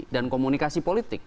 dan komunikasi politik